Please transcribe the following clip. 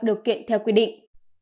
điều kiện theo quy định